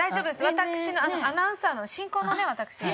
私のアナウンサーの進行のね私が。